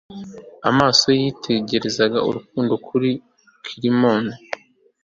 amaso ye yitegereza urukundo kuri ciborium